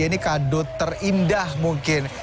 ini kado terindah mungkin